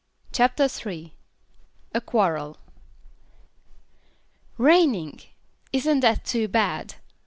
CHAPTER III A Quarrel "Raining! Isn't that too bad?"